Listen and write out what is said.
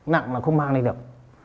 nặng là không mang đây được